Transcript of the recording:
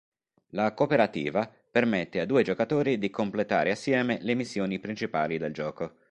La "cooperativa" permette a due giocatori di completare assieme le missioni principali del gioco.